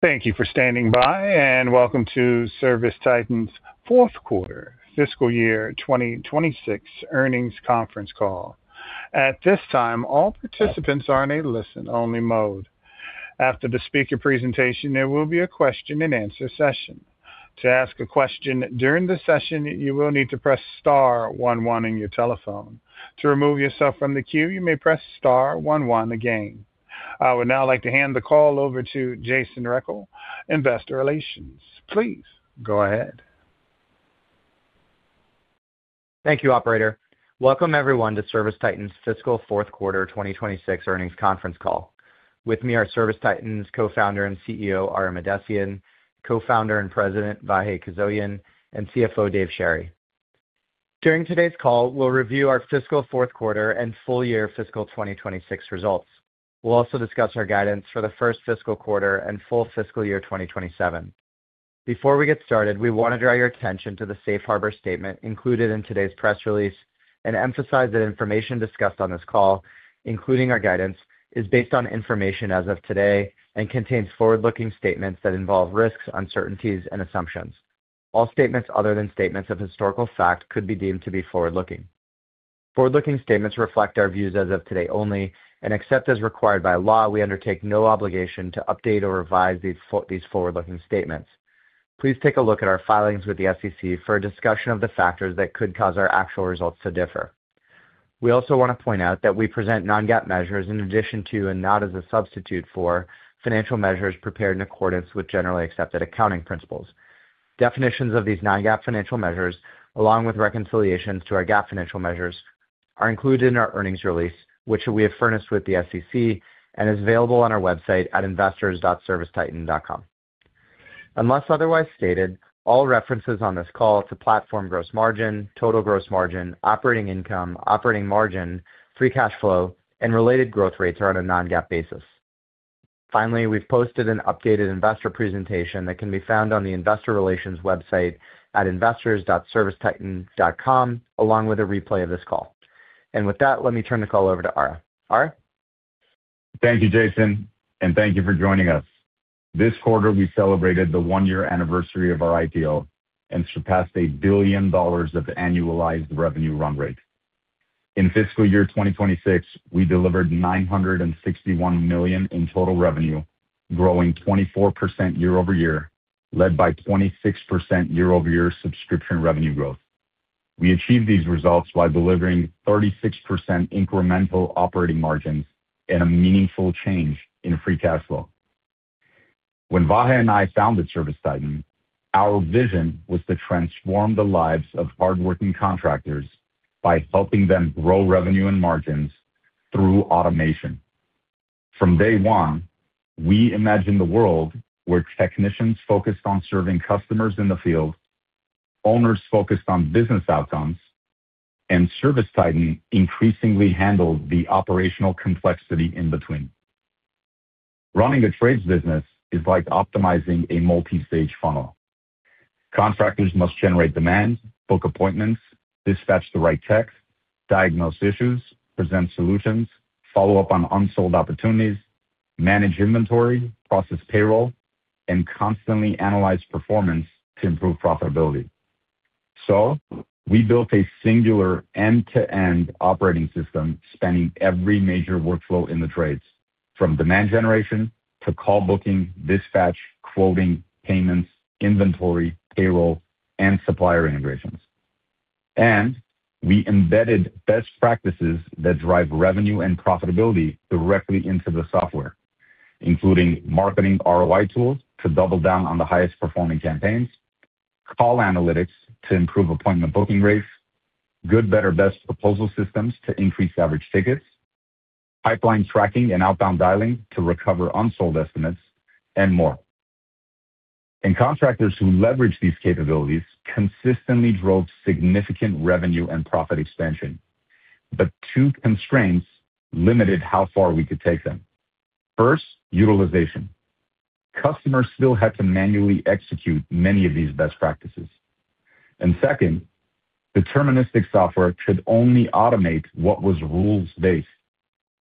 Thank you for standing by and welcome to ServiceTitan's fourth quarter fiscal year 2026 earnings conference call. At this time, all participants are in a listen-only mode. After the speaker presentation, there will be a question and answer session. To ask a question during the session, you will need to press star one one on your telephone. To remove yourself from the queue, you may press star one one again. I would now like to hand the call over to Jason Rechel, Investor Relations. Please go ahead. Thank you, operator. Welcome everyone to ServiceTitan's fiscal fourth quarter 2026 earnings conference call. With me are ServiceTitan's Co-founder and CEO, Ara Mahdessian, Co-founder and President, Vahe Kuzoyan, and CFO Dave Sherry. During today's call, we'll review our fiscal fourth quarter and full year fiscal 2026 results. We'll also discuss our guidance for the first fiscal quarter and full fiscal year 2027. Before we get started, we want to draw your attention to the safe harbor statement included in today's press release and emphasize that information discussed on this call, including our guidance, is based on information as of today and contains forward-looking statements that involve risks, uncertainties and assumptions. All statements other than statements of historical fact could be deemed to be forward-looking. Forward-looking statements reflect our views as of today only, and except as required by law, we undertake no obligation to update or revise these forward-looking statements. Please take a look at our filings with the SEC for a discussion of the factors that could cause our actual results to differ. We also want to point out that we present non-GAAP measures in addition to and not as a substitute for financial measures prepared in accordance with generally accepted accounting principles. Definitions of these non-GAAP financial measures, along with reconciliations to our GAAP financial measures, are included in our earnings release, which we have furnished with the SEC and is available on our website at investors.servicetitan.com. Unless otherwise stated, all references on this call to platform gross margin, total gross margin, operating income, operating margin, free cash flow, and related growth rates are on a non-GAAP basis. Finally, we've posted an updated investor presentation that can be found on the investor relations website at investors.servicetitan.com, along with a replay of this call. With that, let me turn the call over to Ara. Ara? Thank you, Jason, and thank you for joining us. This quarter we celebrated the one-year anniversary of our IPO and surpassed $1 billion of annualized revenue run rate. In fiscal year 2026, we delivered $961 million in total revenue, growing 24% year-over-year, led by 26% year-over-year subscription revenue growth. We achieved these results while delivering 36% incremental operating margins and a meaningful change in free cash flow. When Vahe and I founded ServiceTitan, our vision was to transform the lives of hardworking contractors by helping them grow revenue and margins through automation. From day one, we imagined a world where technicians focused on serving customers in the field, owners focused on business outcomes, and ServiceTitan increasingly handled the operational complexity in between. Running a trades business is like optimizing a multi-stage funnel. Contractors must generate demand, book appointments, dispatch the right tech, diagnose issues, present solutions, follow up on unsold opportunities, manage inventory, process payroll, and constantly analyze performance to improve profitability. We built a singular end-to-end operating system spanning every major workflow in the trades, from demand generation to call booking, dispatch, quoting, payments, inventory, payroll, and supplier integrations. We embedded best practices that drive revenue and profitability directly into the software, including marketing ROI tools to double down on the highest performing campaigns, call analytics to improve appointment booking rates, good better best proposal systems to increase average tickets, pipeline tracking and outbound dialing to recover unsold estimates, and more. Contractors who leverage these capabilities consistently drove significant revenue and profit expansion, but two constraints limited how far we could take them. First, utilization. Customers still had to manually execute many of these best practices. Second, deterministic software could only automate what was rules-based.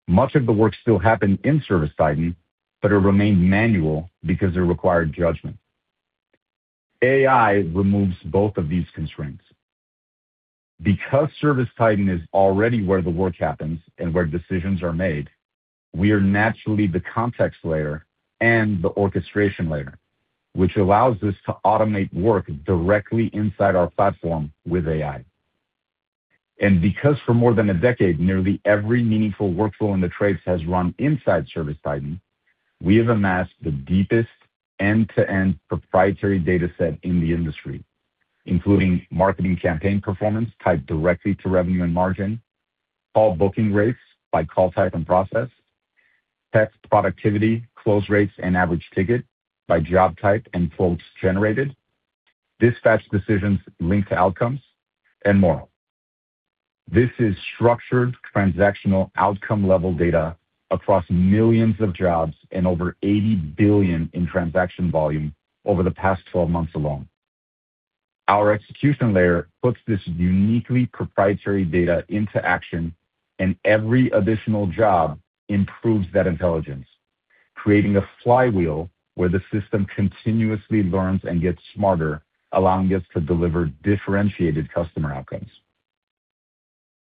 Much of the work still happened in ServiceTitan, but it remained manual because it required judgment. AI removes both of these constraints. Because ServiceTitan is already where the work happens and where decisions are made, we are naturally the context layer and the orchestration layer, which allows us to automate work directly inside our platform with AI. Because for more than a decade, nearly every meaningful workflow in the trades has run inside ServiceTitan, we have amassed the deepest end-to-end proprietary data set in the industry, including marketing campaign performance tied directly to revenue and margin, call booking rates by call type and process, tech productivity, close rates and average ticket by job type and quotes generated, dispatch decisions linked to outcomes, and more. This is structured transactional outcome level data across millions of jobs and over $80 billion in transaction volume over the past 12 months alone. Our execution layer puts this uniquely proprietary data into action, and every additional job improves that intelligence, creating a flywheel where the system continuously learns and gets smarter, allowing us to deliver differentiated customer outcomes.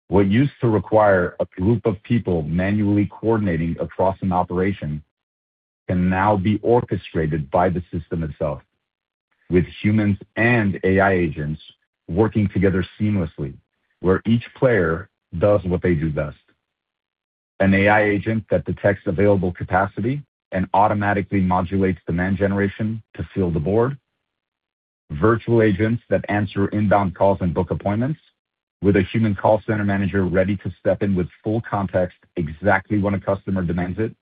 What used to require a group of people manually coordinating across an operation can now be orchestrated by the system itself, with humans and AI agents working together seamlessly where each player does what they do best. An AI agent that detects available capacity and automatically modulates demand generation to fill the board. Virtual agents that answer inbound calls and book appointments with a human call center manager ready to step in with full context exactly when a customer demands it.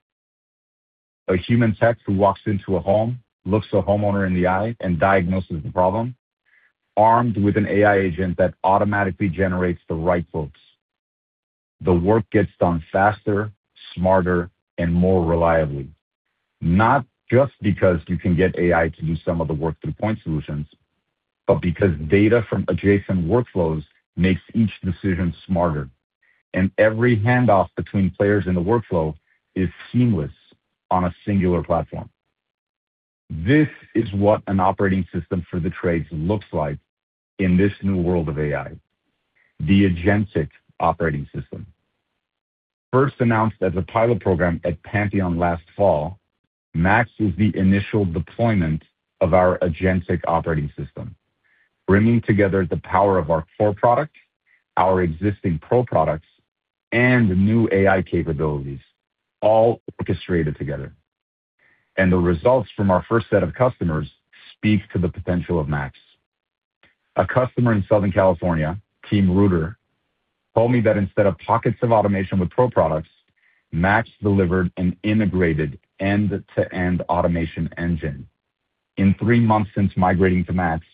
A human tech who walks into a home, looks a homeowner in the eye and diagnoses the problem. Armed with an AI agent that automatically generates the right quotes, the work gets done faster, smarter, and more reliably. Not just because you can get AI to do some of the work through point solutions, but because data from adjacent workflows makes each decision smarter, and every handoff between players in the workflow is seamless on a singular platform. This is what an operating system for the trades looks like in this new world of AI. The agentic operating system. First announced as a pilot program at Pantheon last fall, Max is the initial deployment of our agentic operating system, bringing together the power of our core product, our existing Pro Products, and new AI capabilities all orchestrated together. The results from our first set of customers speak to the potential of Max. A customer in Southern California, Team Rooter, told me that instead of pockets of automation with Pro products, Max delivered an integrated end-to-end automation engine. In three months since migrating to Max,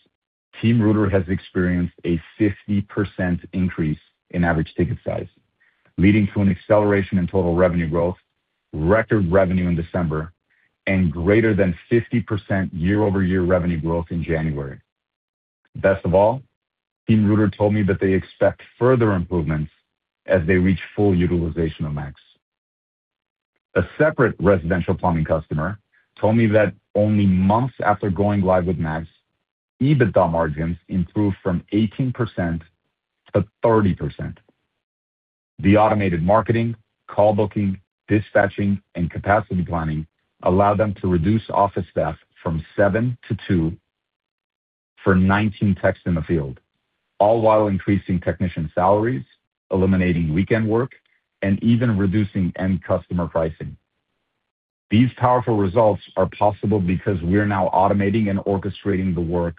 Team Rooter has experienced a 50% increase in average ticket size, leading to an acceleration in total revenue growth, record revenue in December, and greater than 50% year-over-year revenue growth in January. Best of all, Team Rooter told me that they expect further improvements as they reach full utilization of Max. A separate residential plumbing customer told me that only months after going live with Max, EBITDA margins improved from 18% to 30%. The automated marketing, call booking, dispatching, and capacity planning allowed them to reduce office staff from seven to two for 19 techs in the field, all while increasing technician salaries, eliminating weekend work, and even reducing end customer pricing. These powerful results are possible because we are now automating and orchestrating the work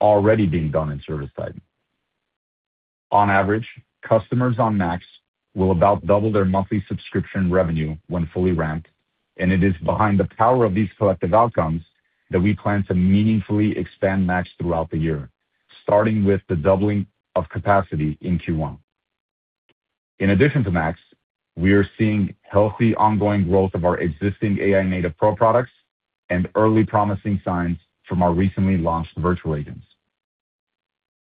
already being done in ServiceTitan. On average, customers on Max will about double their monthly subscription revenue when fully ramped, and it is the power behind these collective outcomes that we plan to meaningfully expand Max throughout the year, starting with the doubling of capacity in Q1. In addition to Max, we are seeing healthy ongoing growth of our existing AI-native pro products and early promising signs from our recently launched virtual agents.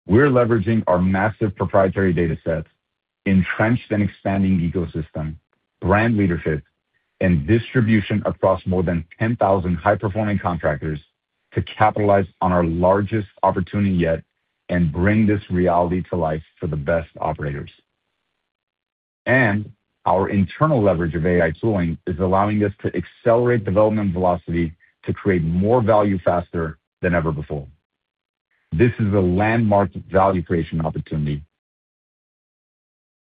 We're leveraging our massive proprietary data set, entrenched and expanding ecosystem, brand leadership, and distribution across more than 10,000 high-performing contractors to capitalize on our largest opportunity yet and bring this reality to life for the best operators. Our internal leverage of AI tooling is allowing us to accelerate development velocity to create more value faster than ever before. This is a landmark value creation opportunity.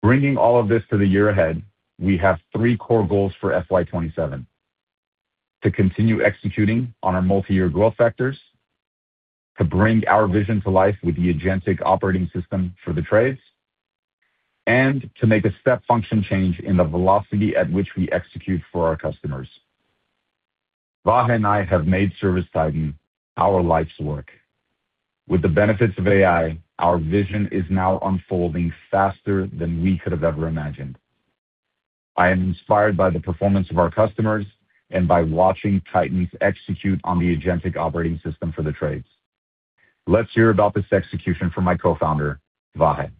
Bringing all of this to the year ahead, we have three core goals for FY 2027: To continue executing on our multi-year growth factors, to bring our vision to life with the agentic operating system for the trades, and to make a step function change in the velocity at which we execute for our customers. Vahe and I have made ServiceTitan our life's work. With the benefits of AI, our vision is now unfolding faster than we could have ever imagined. I am inspired by the performance of our customers and by watching Titans execute on the agentic operating system for the trades. Let's hear about this execution from my co-founder, Vahe.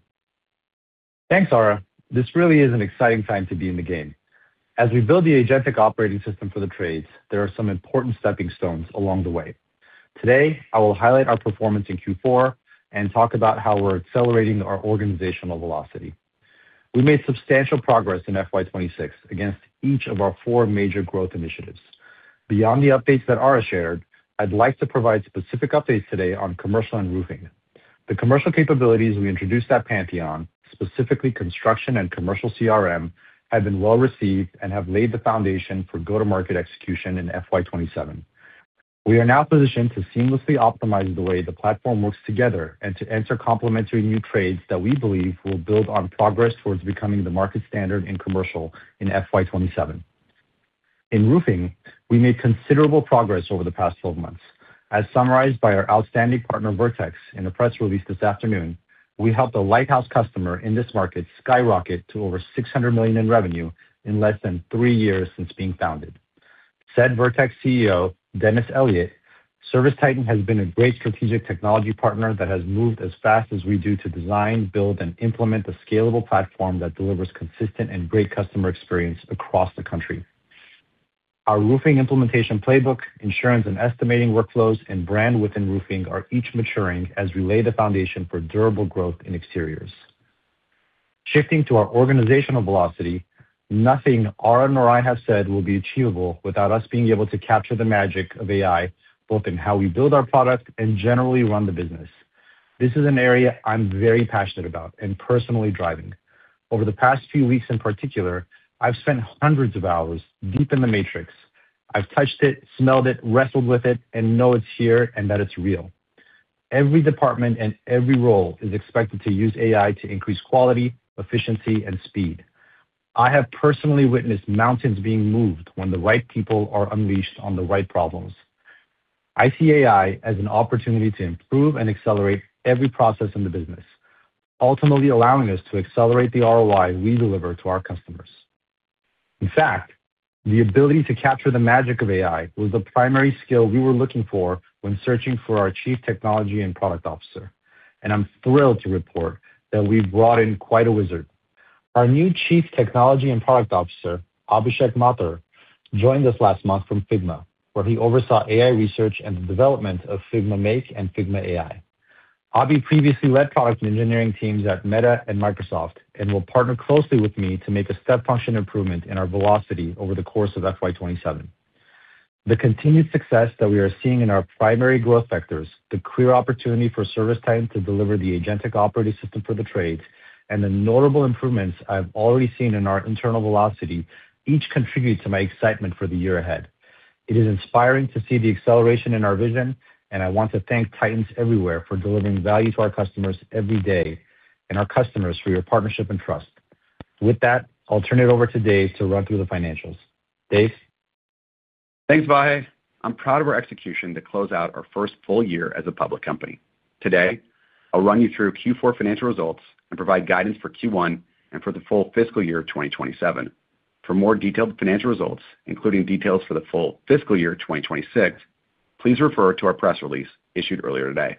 Thanks, Ara. This really is an exciting time to be in the game. As we build the agentic operating system for the trades, there are some important stepping stones along the way. Today, I will highlight our performance in Q4 and talk about how we're accelerating our organizational velocity. We made substantial progress in FY 2026 against each of our four major growth initiatives. Beyond the updates that Ara shared, I'd like to provide specific updates today on commercial and roofing. The commercial capabilities we introduced at Pantheon, specifically construction and commercial CRM, have been well-received and have laid the foundation for go-to-market execution in FY 2027. We are now positioned to seamlessly optimize the way the platform works together and to enter complementary new trades that we believe will build on progress towards becoming the market standard in commercial in FY 2027. In roofing, we made considerable progress over the past 12 months. As summarized by our outstanding partner, Vertex, in a press release this afternoon, we helped a lighthouse customer in this market skyrocket to over $600 million in revenue in less than three years since being founded. Said Vertex CEO Christopher Young, "ServiceTitan has been a great strategic technology partner that has moved as fast as we do to design, build, and implement a scalable platform that delivers consistent and great customer experience across the country." Our roofing implementation playbook, insurance and estimating workflows, and brand within roofing are each maturing as we lay the foundation for durable growth in exteriors. Shifting to our organizational velocity, nothing Ara or I have said will be achievable without us being able to capture the magic of AI, both in how we build our product and generally run the business. This is an area I'm very passionate about and personally driving. Over the past few weeks, in particular, I've spent hundreds of hours deep in the matrix. I've touched it, smelled it, wrestled with it, and know it's here and that it's real. Every department and every role is expected to use AI to increase quality, efficiency, and speed. I have personally witnessed mountains being moved when the right people are unleashed on the right problems. I see AI as an opportunity to improve and accelerate every process in the business, ultimately allowing us to accelerate the ROI we deliver to our customers. In fact, the ability to capture the magic of AI was the primary skill we were looking for when searching for our Chief Technology and Product Officer, and I'm thrilled to report that we've brought in quite a wizard. Our new Chief Technology and Product Officer, Abhishek Mathur, joined us last month from Figma, where he oversaw AI research and the development of Figma Make and Figma AI. Abhi previously led product and engineering teams at Meta and Microsoft and will partner closely with me to make a step function improvement in our velocity over the course of FY 2027. The continued success that we are seeing in our primary growth vectors, the clear opportunity for ServiceTitan to deliver the agentic operating system for the trades, and the notable improvements I've already seen in our internal velocity each contribute to my excitement for the year ahead. It is inspiring to see the acceleration in our vision, and I want to thank Titans everywhere for delivering value to our customers every day, and our customers for your partnership and trust. With that, I'll turn it over to Dave to run through the financials. Dave? Thanks, Vahe. I'm proud of our execution to close out our first full year as a public company. Today, I'll run you through Q4 financial results and provide guidance for Q1 and for the full fiscal year 2027. For more detailed financial results, including details for the full fiscal year 2026, please refer to our press release issued earlier today.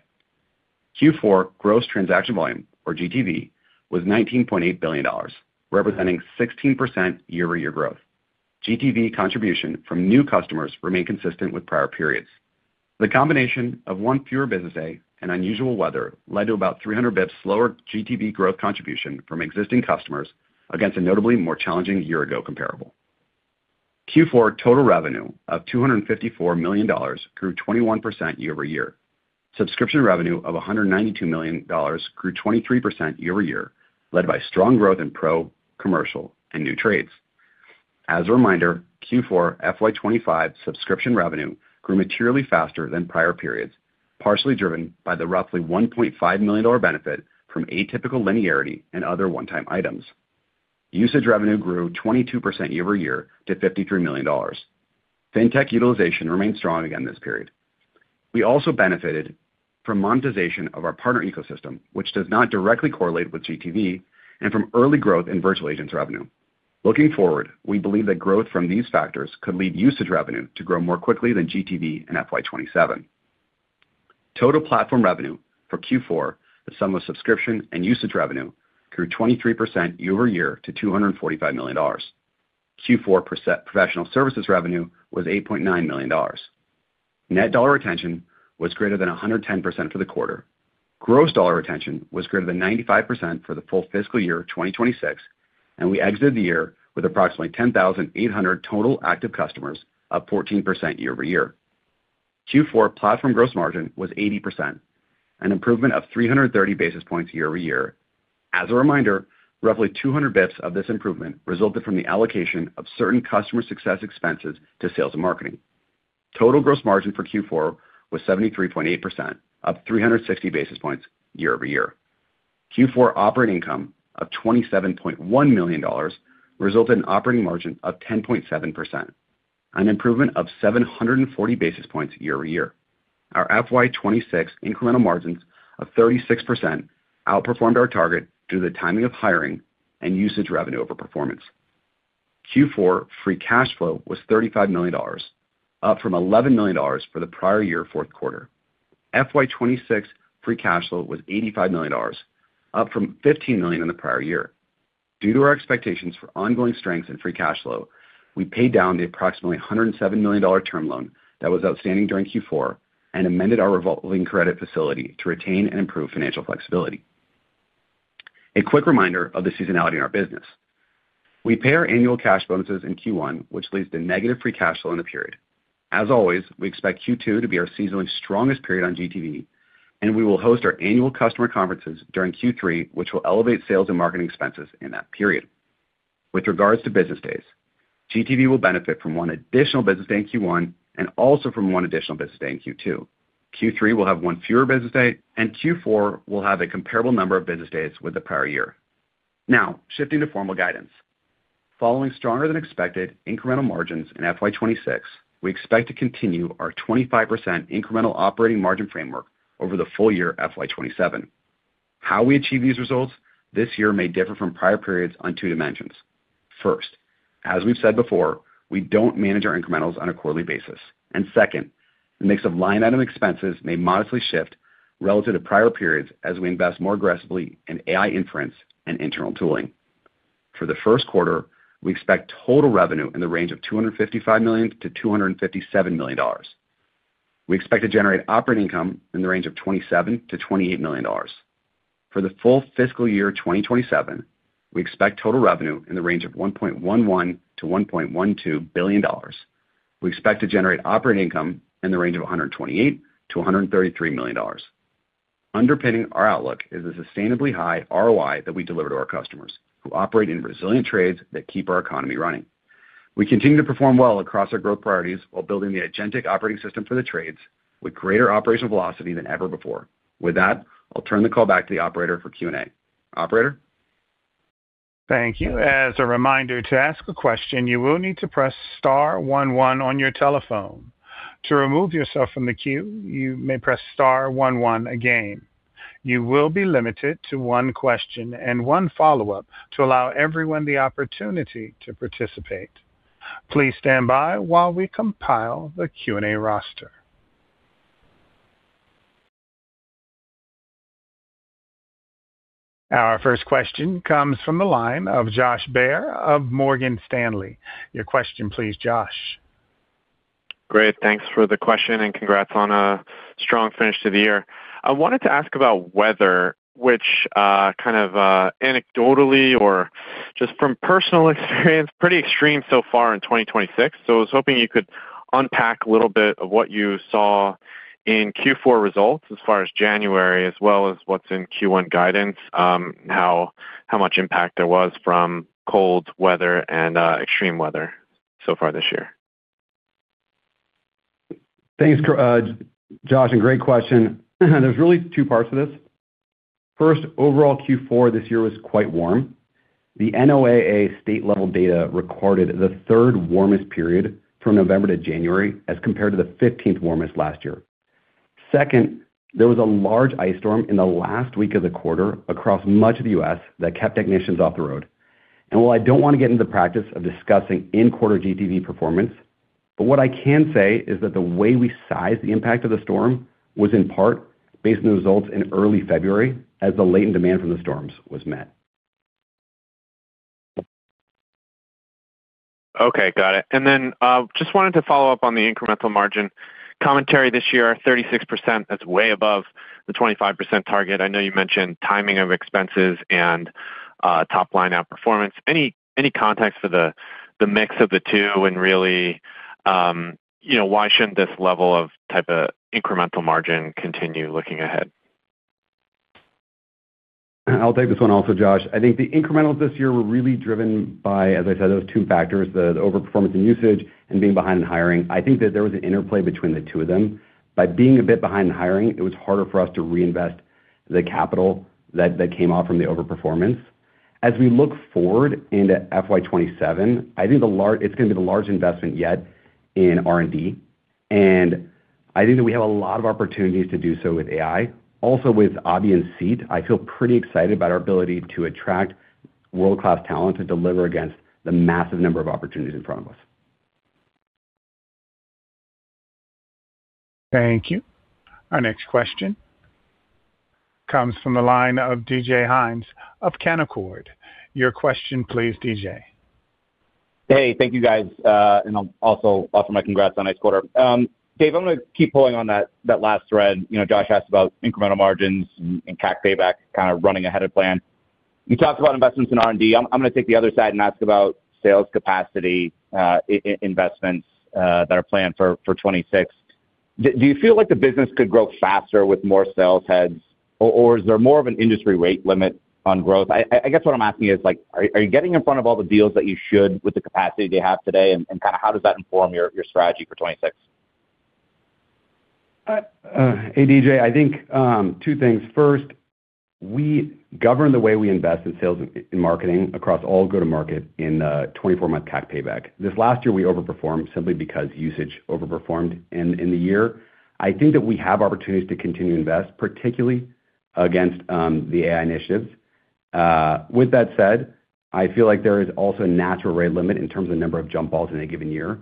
Q4 gross transaction volume, or GTV, was $19.8 billion, representing 16% year-over-year growth. GTV contribution from new customers remained consistent with prior periods. The combination of one fewer business day and unusual weather led to about 300 basis points slower GTV growth contribution from existing customers against a notably more challenging year ago comparable. Q4 total revenue of $254 million grew 21% year-over-year. Subscription revenue of $192 million grew 23% year over year, led by strong growth in Pro, commercial, and new trades. As a reminder, Q4 FY25 subscription revenue grew materially faster than prior periods, partially driven by the roughly $1.5 million benefit from atypical linearity and other one-time items. Usage revenue grew 22% year over year to $53 million. Fintech utilization remained strong again this period. We also benefited from monetization of our partner ecosystem, which does not directly correlate with GTV, and from early growth in virtual agents revenue. Looking forward, we believe that growth from these factors could lead usage revenue to grow more quickly than GTV in FY27. Total platform revenue for Q4, the sum of subscription and usage revenue, grew 23% year over year to $245 million. Q4 professional services revenue was $8.9 million. Net dollar retention was greater than 110% for the quarter. Gross dollar retention was greater than 95% for the full fiscal year 2026, and we exited the year with approximately 10,800 total active customers, up 14% year-over-year. Q4 platform gross margin was 80%, an improvement of 330 basis points year-over-year. As a reminder, roughly 200 bps of this improvement resulted from the allocation of certain customer success expenses to sales and marketing. Total gross margin for Q4 was 73.8%, up 360 basis points year-over-year. Q4 operating income of $27.1 million resulted in operating margin of 10.7%, an improvement of 740 basis points year-over-year. Our FY 2026 incremental margins of 36% outperformed our target due to the timing of hiring and usage revenue overperformance. Q4 free cash flow was $35 million, up from $11 million for the prior year fourth quarter. FY 2026 free cash flow was $85 million, up from $15 million in the prior year. Due to our expectations for ongoing strength in free cash flow, we paid down the approximately $107 million term loan that was outstanding during Q4 and amended our revolving credit facility to retain and improve financial flexibility. A quick reminder of the seasonality in our business. We pay our annual cash bonuses in Q1, which leads to negative free cash flow in the period. As always, we expect Q2 to be our seasonally strongest period on GTV, and we will host our annual customer conferences during Q3, which will elevate sales and marketing expenses in that period. With regards to business days, GTV will benefit from one additional business day in Q1 and also from one additional business day in Q2. Q3 will have one fewer business day, and Q4 will have a comparable number of business days with the prior year. Now, shifting to formal guidance. Following stronger than expected incremental margins in FY 2026, we expect to continue our 25% incremental operating margin framework over the full year FY 2027. How we achieve these results this year may differ from prior periods on two dimensions. First, as we've said before, we don't manage our incrementals on a quarterly basis. Second, the mix of line item expenses may modestly shift relative to prior periods as we invest more aggressively in AI inference and internal tooling. For the first quarter, we expect total revenue in the range of $255 million-$257 million. We expect to generate operating income in the range of $27 million-$28 million. For the full fiscal year 2027, we expect total revenue in the range of $1.11 billion-$1.12 billion. We expect to generate operating income in the range of $128 million-$133 million. Underpinning our outlook is a sustainably high ROI that we deliver to our customers who operate in resilient trades that keep our economy running. We continue to perform well across our growth priorities while building the agentic operating system for the trades with greater operational velocity than ever before. With that, I'll turn the call back to the operator for Q&A. Operator? Thank you. As a reminder, to ask a question, you will need to press star one one on your telephone. To remove yourself from the queue, you may press star one one again. You will be limited to one question and one follow-up to allow everyone the opportunity to participate. Please stand by while we compile the Q&A roster. Our first question comes from the line of Josh Baer of Morgan Stanley. Your question please, Josh. Great. Thanks for the question and congrats on a strong finish to the year. I wanted to ask about weather, which kind of, anecdotally or just from personal experience, pretty extreme so far in 2026. I was hoping you could unpack a little bit of what you saw in Q4 results as far as January, as well as what's in Q1 guidance, how much impact there was from cold weather and extreme weather so far this year? Thanks, Josh, and great question. There's really two parts to this. First, overall Q4 this year was quite warm. The NOAA state-level data recorded the third warmest period from November to January as compared to the fifteenth warmest last year. Second, there was a large ice storm in the last week of the quarter across much of the U.S. that kept technicians off the road. While I don't want to get into the practice of discussing in-quarter GTV performance, but what I can say is that the way we size the impact of the storm was in part based on the results in early February as the latent demand from the storms was met. Okay. Got it. Just wanted to follow up on the incremental margin commentary this year, 36%, that's way above the 25% target. I know you mentioned timing of expenses and top-line outperformance. Any context for the mix of the two and really, you know, why shouldn't this level of type of incremental margin continue looking ahead? I'll take this one also, Josh. I think the incrementals this year were really driven by, as I said, those two factors, the overperformance in usage and being behind in hiring. I think that there was an interplay between the two of them. By being a bit behind in hiring, it was harder for us to reinvest the capital that came off from the overperformance. As we look forward into FY 2027, I think it's going to be the largest investment yet in R&D, and I think that we have a lot of opportunities to do so with AI. Also with Ara and Vahe, I feel pretty excited about our ability to attract world-class talent to deliver against the massive number of opportunities in front of us. Thank you. Our next question comes from the line of DJ Hynes of Canaccord Genuity. Your question please, DJ. Hey, thank you, guys. I'll also offer my congrats on nice quarter. Dave, I'm going to keep pulling on that last thread. You know, Josh asked about incremental margins and CAC payback kind of running ahead of plan. You talked about investments in R&D. I'm going to take the other side and ask about sales capacity, investments that are planned for 2026. Do you feel like the business could grow faster with more sales heads or is there more of an industry-wide limit on growth? I guess what I'm asking is like, are you getting in front of all the deals that you should with the capacity that you have today and kind of how does that inform your strategy for 2026? Hey, DJ. I think two things. First, we govern the way we invest in sales and marketing across all go-to-market in a 24-month CAC payback. This last year we overperformed simply because usage overperformed in the year. I think that we have opportunities to continue to invest, particularly against the AI initiatives. With that said, I feel like there is also a natural rate limit in terms of the number of jump balls in a given year.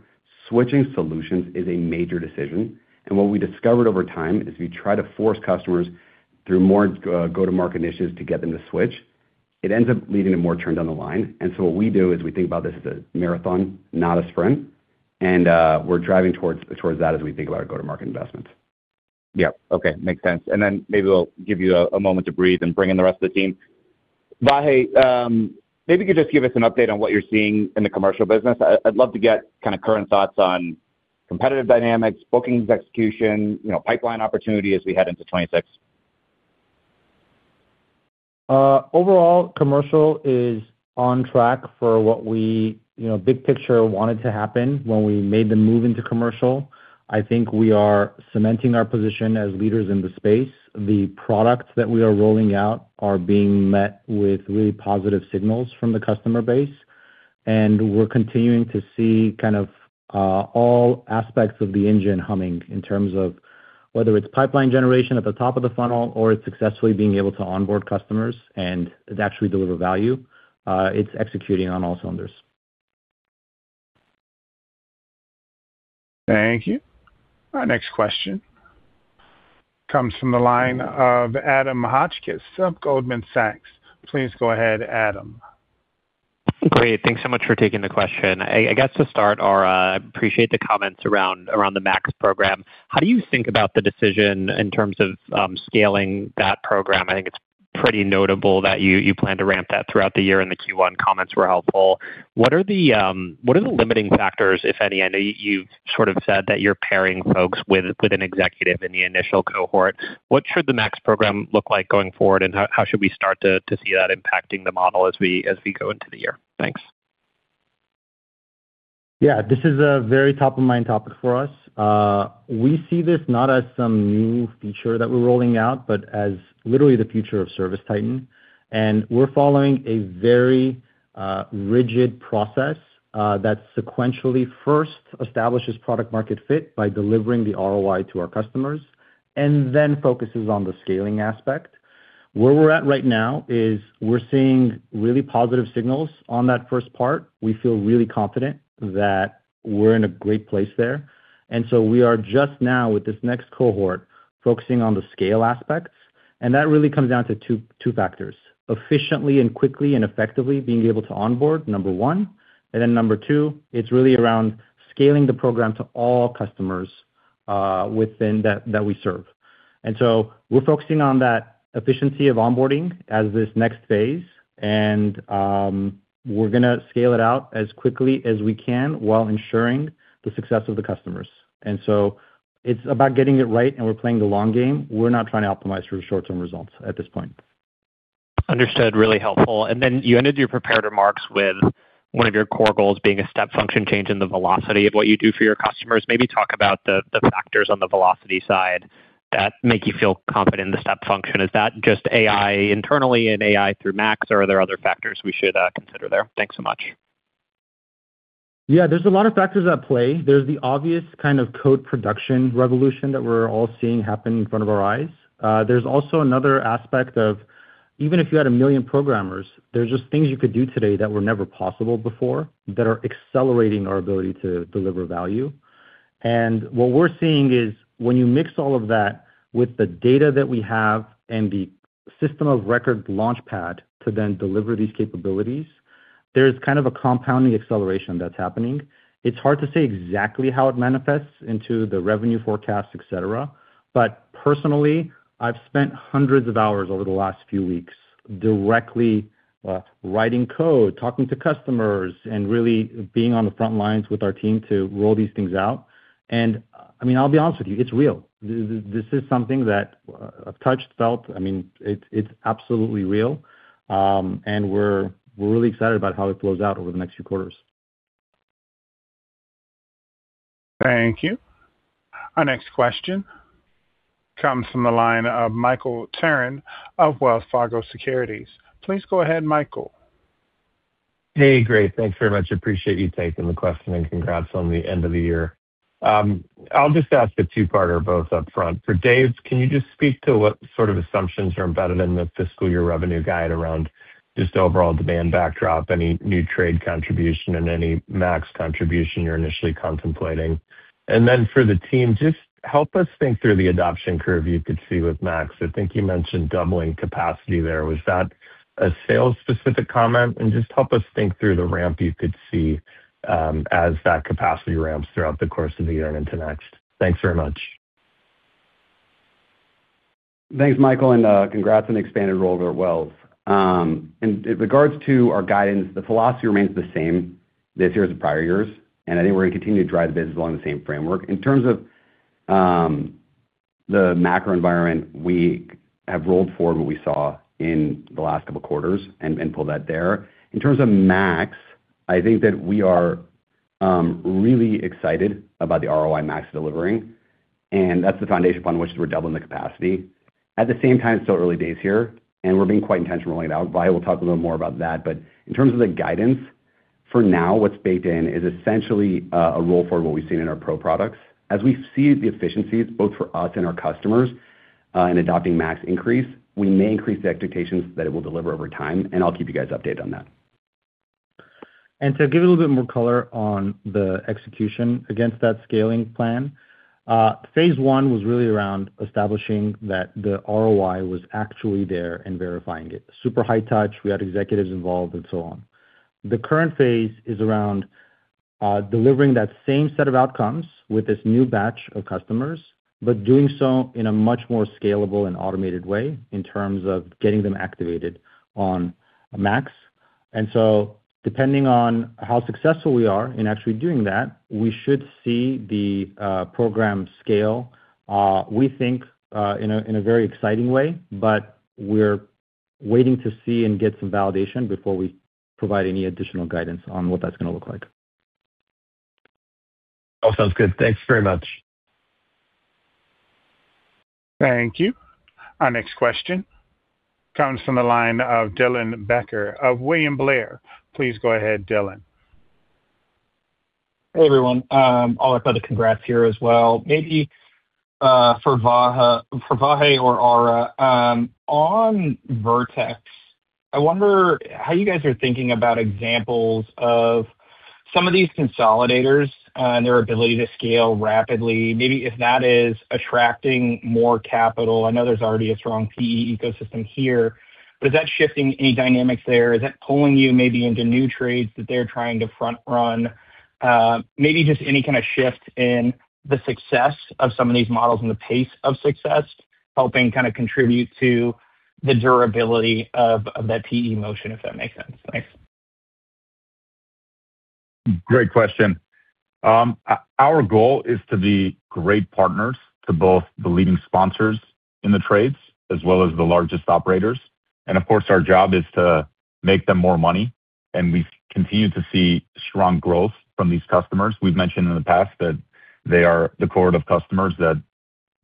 Switching solutions is a major decision, and what we discovered over time is we try to force customers through more go-to-market initiatives to get them to switch. It ends up leading to more churn down the line. We're driving towards that as we think about our go-to-market investments. Yeah. Okay. Makes sense. Maybe we'll give you a moment to breathe and bring in the rest of the team. Vahe, maybe you could just give us an update on what you're seeing in the commercial business. I'd love to get kind of current thoughts on competitive dynamics, bookings execution, you know, pipeline opportunity as we head into 2026. Overall commercial is on track for what we, you know, big picture wanted to happen when we made the move into commercial. I think we are cementing our position as leaders in the space. The products that we are rolling out are being met with really positive signals from the customer base. We're continuing to see kind of all aspects of the engine humming in terms of whether it's pipeline generation at the top of the funnel or it's successfully being able to onboard customers and actually deliver value, it's executing on all cylinders. Thank you. Our next question comes from the line of Adam Hotchkiss of Goldman Sachs. Please go ahead, Adam. Great. Thanks so much for taking the question. I guess to start, Ara, I appreciate the comments around the Max Program. How do you think about the decision in terms of scaling that program? I think it's pretty notable that you plan to ramp that throughout the year, and the Q1 comments were helpful. What are the limiting factors, if any? I know you've sort of said that you're pairing folks with an executive in the initial cohort. What should the Max Program look like going forward, and how should we start to see that impacting the model as we go into the year? Thanks. Yeah. This is a very top-of-mind topic for us. We see this not as some new feature that we're rolling out, but as literally the future of ServiceTitan. We're following a very rigid process that sequentially first establishes product market fit by delivering the ROI to our customers and then focuses on the scaling aspect. Where we're at right now is we're seeing really positive signals on that first part. We feel really confident that we're in a great place there. We are just now, with this next cohort, focusing on the scale aspects, and that really comes down to two factors. Efficiently and quickly and effectively being able to onboard, number one, and then, number two, it's really around scaling the program to all customers within that we serve. We're focusing on that efficiency of onboarding as this next phase and, we're going to scale it out as quickly as we can while ensuring the success of the customers. It's about getting it right, and we're playing the long game. We're not trying to optimize for short-term results at this point. Understood. Really helpful. You ended your prepared remarks with one of your core goals being a step function change in the velocity of what you do for your customers. Maybe talk about the factors on the velocity side that make you feel confident in the step function. Is that just AI internally and AI through Max, or are there other factors we should consider there? Thanks so much. Yeah. There's a lot of factors at play. There's the obvious kind of code production revolution that we're all seeing happen in front of our eyes. There's also another aspect of even if you had 1 million programmers, there's just things you could do today that were never possible before that are accelerating our ability to deliver value. What we're seeing is when you mix all of that with the data that we have and the system of record launchpad to then deliver these capabilities, there's kind of a compounding acceleration that's happening. It's hard to say exactly how it manifests into the revenue forecast, et cetera, but personally, I've spent hundreds of hours over the last few weeks directly, writing code, talking to customers, and really being on the front lines with our team to roll these things out. I mean, I'll be honest with you, it's real. This is something that I've touched, felt. I mean, it's absolutely real, and we're really excited about how it flows out over the next few quarters. Thank you. Our next question comes from the line of Michael Turrin of Wells Fargo Securities. Please go ahead, Michael. Hey. Great. Thanks very much. Appreciate you taking the question, and congrats on the end of the year. I'll just ask a two-parter, both up front. For Dave, can you just speak to what sort of assumptions are embedded in the fiscal year revenue guide around just overall demand backdrop, any new trade contribution, and any Max contribution you're initially contemplating? And then for the team, just help us think through the adoption curve you could see with Max. I think you mentioned doubling capacity there. Was that a sales-specific comment? And just help us think through the ramp you could see, as that capacity ramps throughout the course of the year and into next. Thanks very much. Thanks, Michael, and congrats on the expanded role over at Wells Fargo. In regards to our guidance, the philosophy remains the same this year as the prior years, and I think we're going to continue to drive the business along the same framework. In terms of the macro environment, we have rolled forward what we saw in the last couple of quarters and pulled that there. In terms of Max, I think that we are really excited about the ROI Max is delivering, and that's the foundation upon which we're doubling the capacity. At the same time, still early days here, and we're being quite intentional about it. Vahe will talk a little more about that. But in terms of the guidance, for now, what's baked in is essentially a roll forward what we've seen in our Pro Products. As we see the efficiencies both for us and our customers in adopting Max increase, we may increase the expectations that it will deliver over time, and I'll keep you guys updated on that. To give a little bit more color on the execution against that scaling plan, phase one was really around establishing that the ROI was actually there and verifying it. Super high touch. We had executives involved and so on. The current phase is around delivering that same set of outcomes with this new batch of customers, but doing so in a much more scalable and automated way in terms of getting them activated on Max. Depending on how successful we are in actually doing that, we should see the program scale, we think, in a very exciting way, but we're waiting to see and get some validation before we provide any additional guidance on what that's going to look like. All sounds good. Thanks very much. Thank you. Our next question comes from the line of Dylan Becker of William Blair. Please go ahead, Dylan. Hey, everyone. All that other congrats here as well. Maybe for Vahe or Ara, on Vertex, I wonder how you guys are thinking about examples of some of these consolidators and their ability to scale rapidly. Maybe if that is attracting more capital. I know there's already a strong PE ecosystem here, but is that shifting any dynamics there? Is that pulling you maybe into new trades that they're trying to front run? Maybe just any kind of shift in the success of some of these models and the pace of success helping kinda contribute to the durability of that PE motion, if that makes sense. Thanks. Great question. Our goal is to be great partners to both the leading sponsors in the trades as well as the largest operators. Of course, our job is to make them more money. We continue to see strong growth from these customers. We've mentioned in the past that they are the cohort of customers that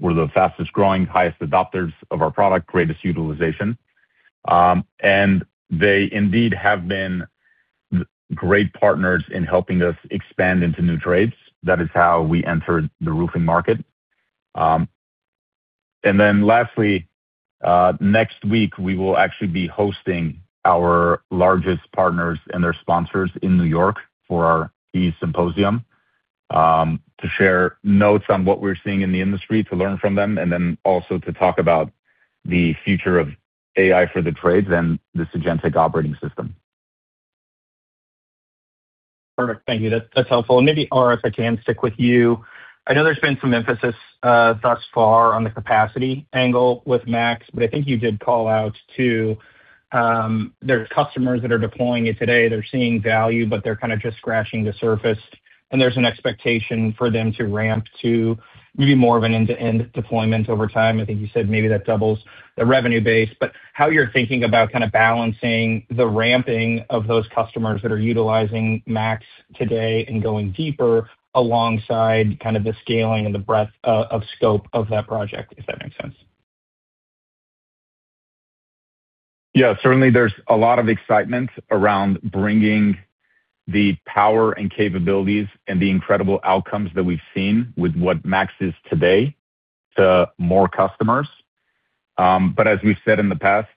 were the fastest-growing, highest adopters of our product, greatest utilization. They indeed have been great partners in helping us expand into new trades. That is how we entered the roofing market. Lastly, next week we will actually be hosting our largest partners and their sponsors in New York for our PE symposium, to share notes on what we're seeing in the industry, to learn from them, and then also to talk about the future of AI for the trades and the agentic operating system. Perfect. Thank you. That's helpful. Maybe, Ara, if I can stick with you. I know there's been some emphasis thus far on the capacity angle with Max, but I think you did call out that there's customers that are deploying it today, they're seeing value, but they're kinda just scratching the surface, and there's an expectation for them to ramp to maybe more of an end-to-end deployment over time. I think you said maybe that doubles the revenue base. How you're thinking about kinda balancing the ramping of those customers that are utilizing Max today and going deeper alongside kind of the scaling and the breadth of scope of that project, if that makes sense. Yeah, certainly there's a lot of excitement around bringing the power and capabilities and the incredible outcomes that we've seen with what Max is today to more customers. As we've said in the past,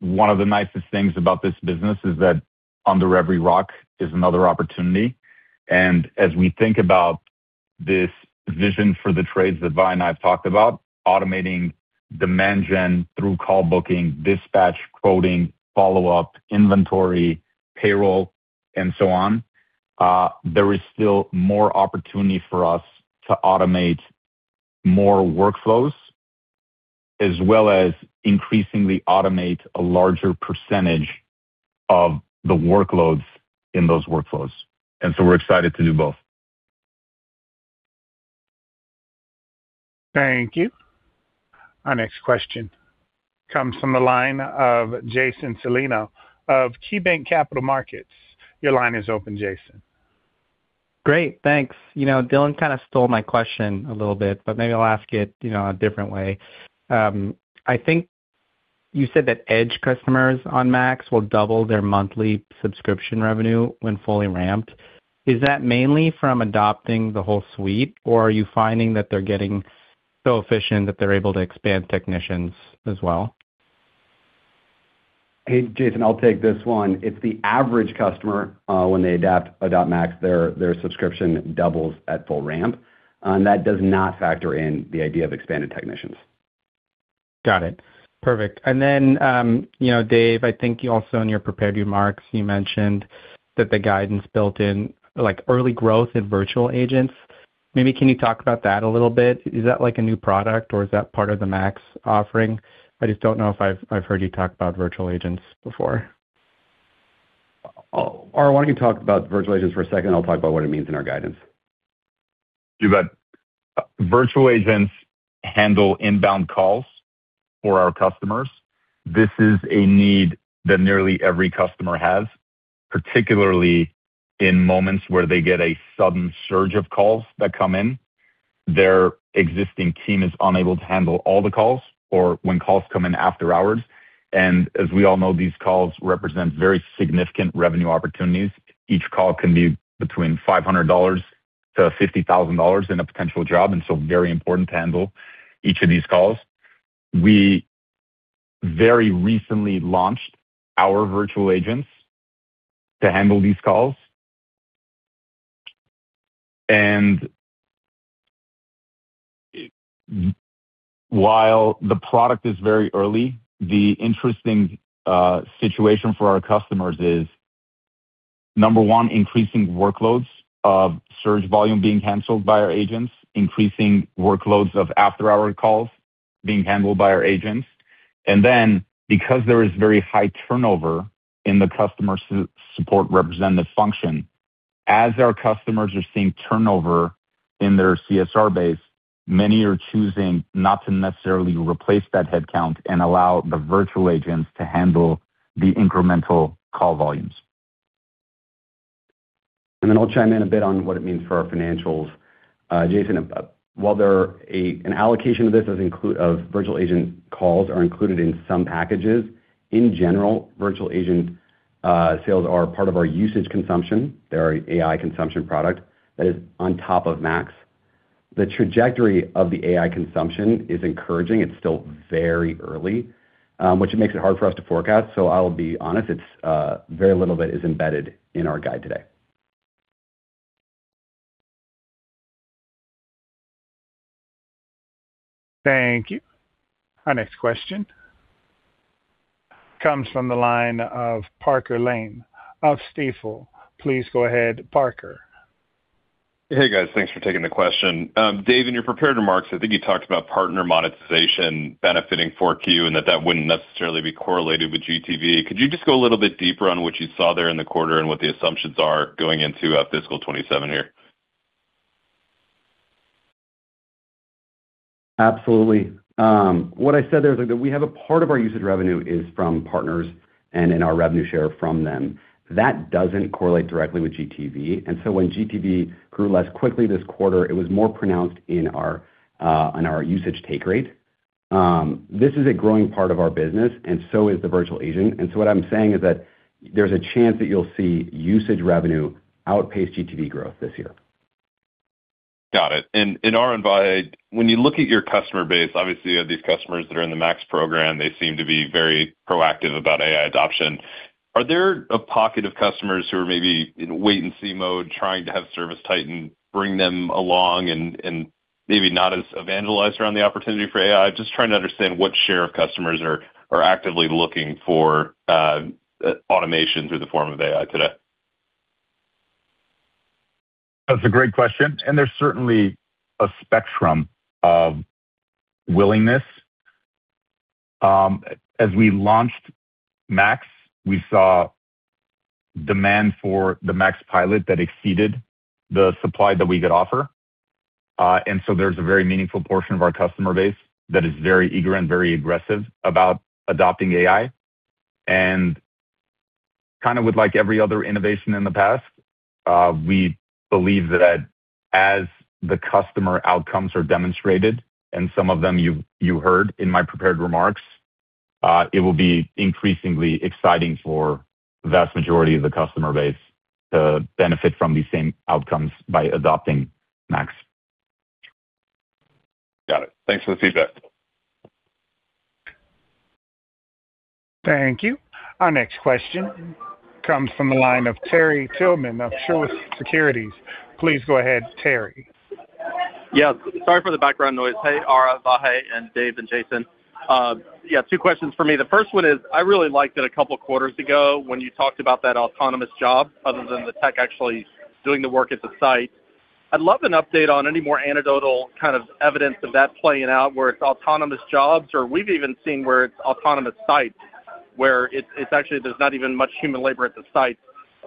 one of the nicest things about this business is that under every rock is another opportunity. As we think about this vision for the trades that Vahe and I have talked about, automating demand gen through call booking, dispatch, quoting, follow-up, inventory, payroll and so on, there is still more opportunity for us to automate more workflows as well as increasingly automate a larger percentage of the workloads in those workflows. We're excited to do both. Thank you. Our next question comes from the line of Jason Celino of KeyBanc Capital Markets. Your line is open, Jason. Great. Thanks. You know, Dylan kinda stole my question a little bit, but maybe I'll ask it, you know, a different way. I think you said that our customers on Max will double their monthly subscription revenue when fully ramped. Is that mainly from adopting the whole suite, or are you finding that they're getting so efficient that they're able to expand technicians as well? Hey, Jason, I'll take this one. It's the average customer when they adopt Max, their subscription doubles at full ramp. That does not factor in the idea of expanded technicians. Got it. Perfect. You know, Dave, I think you also in your prepared remarks, you mentioned that the guidance built in, like, early growth in virtual agents. Maybe can you talk about that a little bit? Is that like a new product or is that part of the Max offering? I just don't know if I've heard you talk about virtual agents before. Oh, Ara, why don't you talk about virtual agents for a second? I'll talk about what it means in our guidance. You bet. Virtual agents handle inbound calls for our customers. This is a need that nearly every customer has, particularly in moments where they get a sudden surge of calls that come in, their existing team is unable to handle all the calls or when calls come in after hours. As we all know, these calls represent very significant revenue opportunities. Each call can be between $500-$50,000 in a potential job, and so very important to handle each of these calls. We very recently launched our virtual agents to handle these calls. While the product is very early, the interesting situation for our customers is, number one, increasing workloads of surge volume being handled by our agents, increasing workloads of after-hour calls being handled by our agents. Because there is very high turnover in the customer support representative function, as our customers are seeing turnover in their CSR base. Many are choosing not to necessarily replace that headcount and allow the virtual agents to handle the incremental call volumes. I'll chime in a bit on what it means for our financials. Jason, while there are an allocation of this of virtual agent calls are included in some packages. In general, virtual agent sales are part of our usage consumption. They're AI consumption product that is on top of Max. The trajectory of the AI consumption is encouraging. It's still very early, which it makes it hard for us to forecast. I'll be honest, it's very little bit is embedded in our guide today. Thank you. Our next question comes from the line of Parker Lane of Stifel. Please go ahead, Parker. Hey, guys. Thanks for taking the question. Dave, in your prepared remarks, I think you talked about partner monetization benefiting 4Q, and that wouldn't necessarily be correlated with GTV. Could you just go a little bit deeper on what you saw there in the quarter and what the assumptions are going into fiscal 2027 here? Absolutely. What I said there is that we have a part of our usage revenue is from partners and in our revenue share from them. That doesn't correlate directly with GTV. When GTV grew less quickly this quarter, it was more pronounced on our usage take rate. This is a growing part of our business, and so is the virtual agent. What I'm saying is that there's a chance that you'll see usage revenue outpace GTV growth this year. Got it. Ara and Vahe, when you look at your customer base, obviously you have these customers that are in the Max Program. They seem to be very proactive about AI adoption. Are there a pocket of customers who are maybe in wait and see mode trying to have ServiceTitan bring them along and maybe not as evangelized around the opportunity for AI? Just trying to understand what share of customers are actively looking for automation through the form of AI today. That's a great question, and there's certainly a spectrum of willingness. As we launched Max, we saw demand for the Max pilot that exceeded the supply that we could offer. There's a very meaningful portion of our customer base that is very eager and very aggressive about adopting AI. Kinda with like every other innovation in the past, we believe that as the customer outcomes are demonstrated, and some of them you heard in my prepared remarks, it will be increasingly exciting for the vast majority of the customer base to benefit from these same outcomes by adopting Max. Got it. Thanks for the feedback. Thank you. Our next question comes from the line of Terry Tillman of Truist Securities. Please go ahead, Terry. Yes. Sorry for the background noise. Hey, Ara, Vahe, and Dave and Jason. Two questions for me. The first one is, I really liked it a couple of quarters ago when you talked about that autonomous job authoring the tech actually doing the work at the site. I'd love an update on any more anecdotal kind of evidence of that playing out where it's autonomous jobs, or we've even seen where it's autonomous sites, where it's actually there's not even much human labor at the site.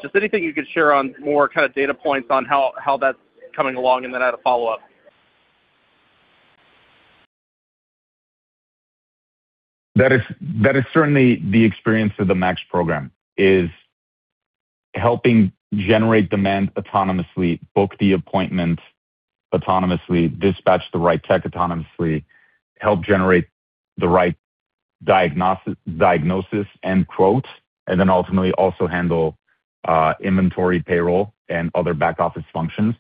Just anything you could share on more kind of data points on how that's coming along, and then I had a follow-up. That is certainly the experience of the Max Program, is helping generate demand autonomously, book the appointment autonomously, dispatch the right tech autonomously, help generate the right diagnosis and quote, and then ultimately also handle inventory, payroll, and other back-office functions.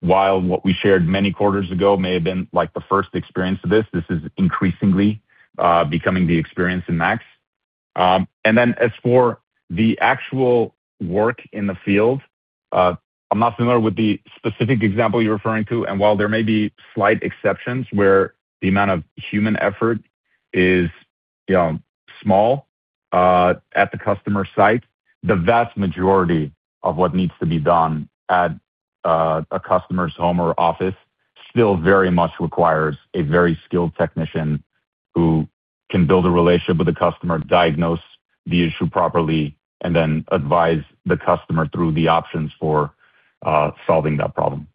While what we shared many quarters ago may have been like the first experience of this is increasingly becoming the experience in Max. As for the actual work in the field, I'm not familiar with the specific example you're referring to. While there may be slight exceptions where the amount of human effort is, you know, small, at the customer site, the vast majority of what needs to be done at a customer's home or office still very much requires a very skilled technician who can build a relationship with the customer, diagnose the issue properly, and then advise the customer through the options for solving that problem.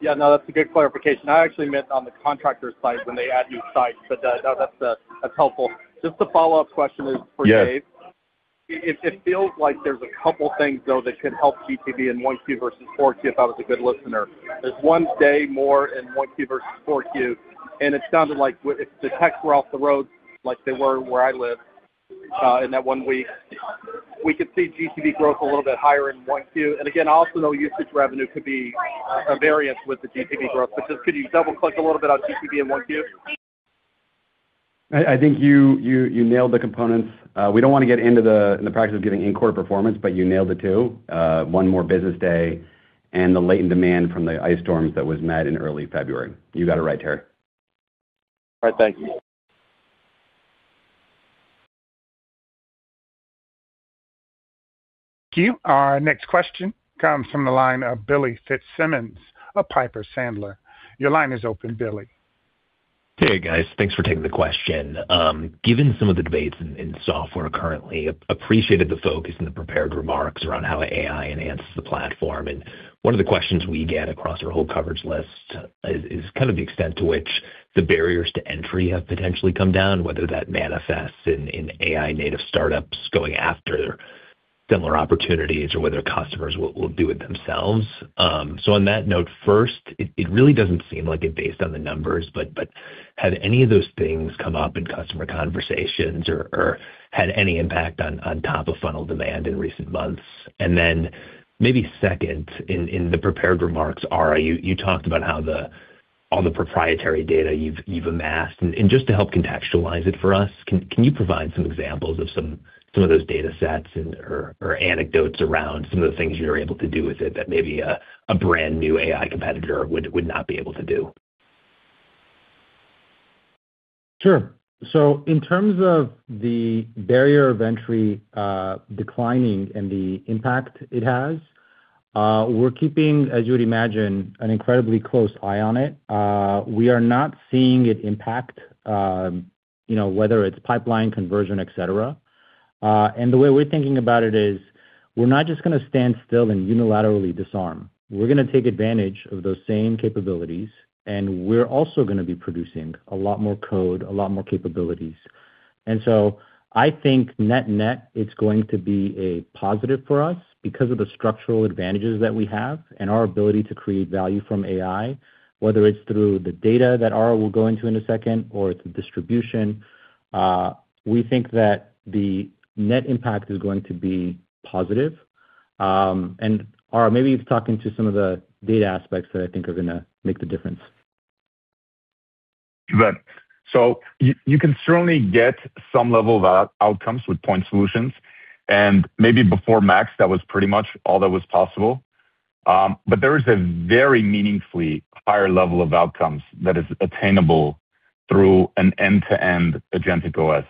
Yeah, no, that's a good clarification. I actually meant on the contractor site when they add new sites. No, that's helpful. Just a follow-up question is for Dave. Yes. It feels like there's a couple things though that could help GTV in one Q versus four Q if I was a good listener. There's one day more in one Q versus four Q, and it sounded like if the techs were off the road like they were where I live in that one week, we could see GTV growth a little bit higher in one Q. Again, I also know usage revenue could be a variance with the GTV growth, but just could you double-click a little bit on GTV in one Q? I think you nailed the components. We don't want to get into the practice of giving in-quarter performance, but you nailed it, too. One more business day and the latent demand from the ice storms that was met in early February. You got it right, Terry. All right. Thank you. Thank you. Our next question comes from the line of Billy Fitzsimmons of Piper Sandler. Your line is open, Billy. Hey guys, thanks for taking the question. Given some of the debates in software currently, appreciated the focus in the prepared remarks around how AI enhances the platform. One of the questions we get across our whole coverage list is kind of the extent to which the barriers to entry have potentially come down, whether that manifests in AI native startups going after similar opportunities or whether customers will do it themselves. So on that note, first, it really doesn't seem like it based on the numbers, but have any of those things come up in customer conversations or had any impact on top of funnel demand in recent months? Then maybe second, in the prepared remarks, Ara, you talked about how the on the proprietary data you've amassed. Just to help contextualize it for us, can you provide some examples of some of those datasets and or anecdotes around some of the things you're able to do with it that maybe a brand-new AI competitor would not be able to do? Sure. In terms of the barriers to entry declining and the impact it has, we're keeping, as you would imagine, an incredibly close eye on it. We are not seeing it impact, you know, whether it's pipeline conversion, et cetera. The way we're thinking about it is we're not just going to stand still and unilaterally disarm. We're going to take advantage of those same capabilities, and we're also going to be producing a lot more code, a lot more capabilities. I think net-net, it's going to be a positive for us because of the structural advantages that we have and our ability to create value from AI, whether it's through the data that Ara will go into in a second or it's distribution. We think that the net impact is going to be positive. Ara, maybe you talk into some of the data aspects that I think are going to make the difference. Right. You can certainly get some level of outcomes with point solutions. Maybe before Max, that was pretty much all that was possible. There is a very meaningfully higher level of outcomes that is attainable through an end-to-end agentic OS.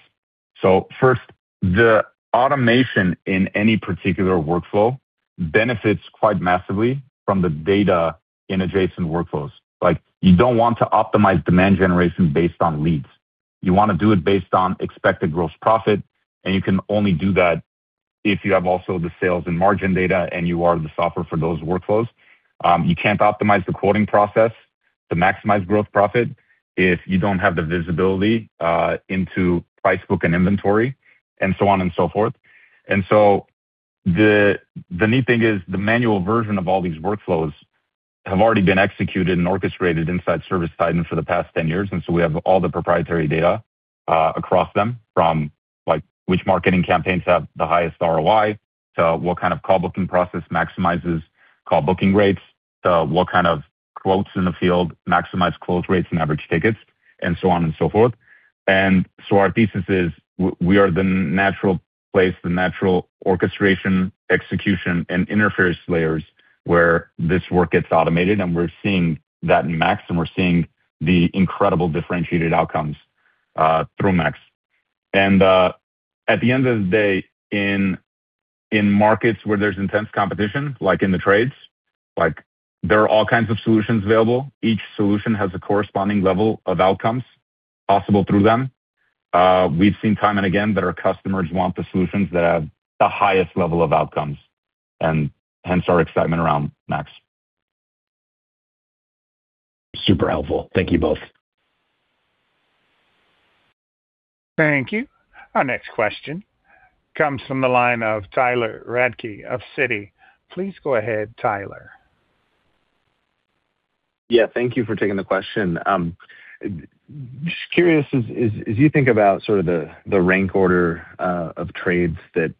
First, the automation in any particular workflow benefits quite massively from the data in adjacent workflows. Like, you don't want to optimize demand generation based on leads. You want to do it based on expected gross profit, and you can only do that if you have also the sales and margin data and you are the software for those workflows. You can't optimize the quoting process to maximize gross profit if you don't have the visibility into price book and inventory, and so on and so forth. The neat thing is the manual version of all these workflows have already been executed and orchestrated inside ServiceTitan for the past 10 years, and so we have all the proprietary data across them from, like which marketing campaigns have the highest ROI to what kind of call booking process maximizes call booking rates, to what kind of quotes in the field maximize close rates and average tickets, and so on and so forth. Our thesis is we are the natural place, the natural orchestration, execution, and interface layers where this work gets automated, and we're seeing that in Max, and we're seeing the incredible differentiated outcomes through Max. At the end of the day, in markets where there's intense competition, like in the trades, like there are all kinds of solutions available. Each solution has a corresponding level of outcomes possible through them. We've seen time and again that our customers want the solutions that have the highest level of outcomes, and hence our excitement around Max. Super helpful. Thank you both. Thank you. Our next question comes from the line of Tyler Radke of Citi. Please go ahead, Tyler. Yeah. Thank you for taking the question. Just curious, as you think about sort of the rank order of trades that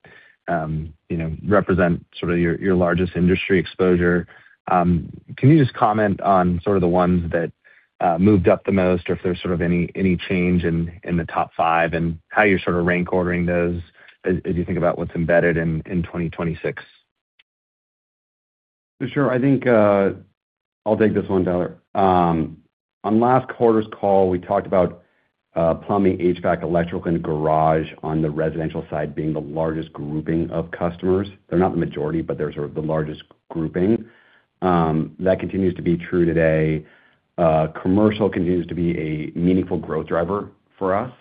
you know represent sort of your largest industry exposure, can you just comment on sort of the ones that moved up the most or if there's sort of any change in the top five and how you're sort of rank ordering those as you think about what's embedded in 2026? Sure. I think, I'll take this one, Tyler. On last quarter's call, we talked about, plumbing, HVAC, electrical, and garage on the residential side being the largest grouping of customers. They're not the majority, but they're sort of the largest grouping. That continues to be true today. Commercial continues to be a meaningful growth driver for us,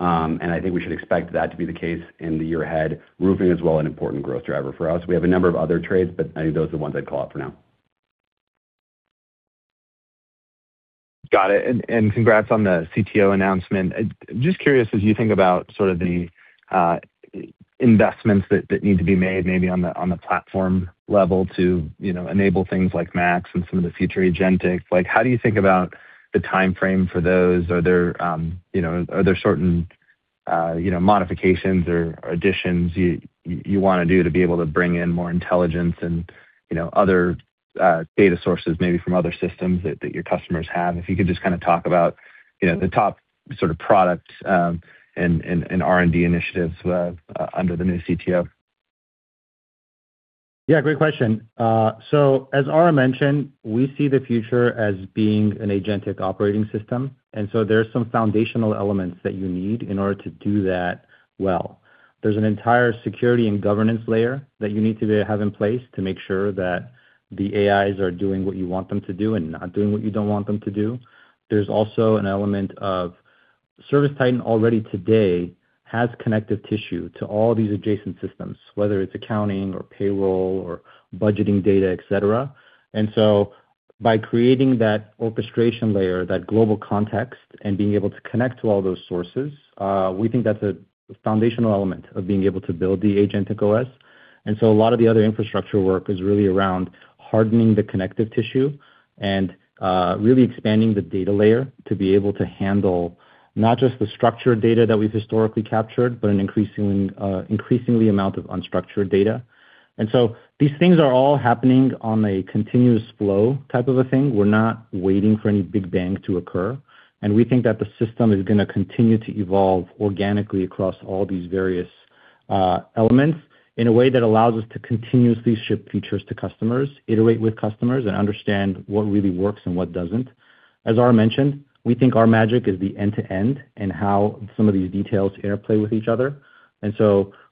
and I think we should expect that to be the case in the year ahead. Roofing is, well, an important growth driver for us. We have a number of other trades, but I think those are the ones I'd call out for now. Got it. Congrats on the CTO announcement. Just curious, as you think about sort of the investments that need to be made maybe on the platform level to, you know, enable things like Max and some of the future agentic. Like, how do you think about the timeframe for those? Are there certain, you know, modifications or additions you want to do to be able to bring in more intelligence and, you know, other data sources maybe from other systems that your customers have? If you could just kinda talk about, you know, the top sort of products and R&D initiatives under the new CTO. Yeah, great question. As Ara mentioned, we see the future as being an agentic operating system, and so there's some foundational elements that you need in order to do that well. There's an entire security and governance layer that you need to have in place to make sure that the AIs are doing what you want them to do and not doing what you don't want them to do. There's also an element of ServiceTitan already today has connective tissue to all these adjacent systems, whether it's accounting or payroll or budgeting data, et cetera. By creating that orchestration layer, that global context, and being able to connect to all those sources, we think that's a foundational element of being able to build the agentic OS. A lot of the other infrastructure work is really around hardening the connective tissue and really expanding the data layer to be able to handle not just the structured data that we've historically captured, but an increasing increasingly amount of unstructured data. These things are all happening on a continuous flow type of a thing. We're not waiting for any big bang to occur. We think that the system is going to continue to evolve organically across all these various elements in a way that allows us to continuously ship features to customers, iterate with customers, and understand what really works and what doesn't. As Ara mentioned, we think our magic is the end to end and how some of these details interplay with each other.